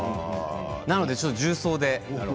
なので重曹で。